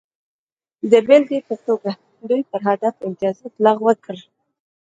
د بېلګې په توګه دوی پر هدف امتیازات لغوه کړل